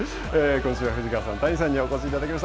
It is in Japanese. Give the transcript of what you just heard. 今週は藤川さん、谷さんにお越しいただきました。